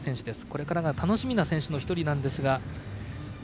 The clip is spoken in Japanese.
これからが楽しみな選手の１人ですが。